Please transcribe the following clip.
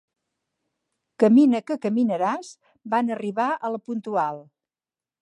Camina que caminaràs, van arribar a «La Puntual».